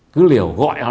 cứ liều gọi nó